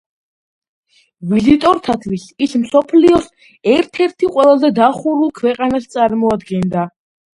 ვიზიტორთათვის ის მსოფლიოს ერთ-ერთი ყველაზე დახურულ ქვეყანას წარმოადგენდა.